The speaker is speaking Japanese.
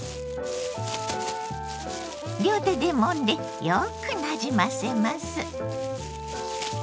両手でもんでよくなじませます。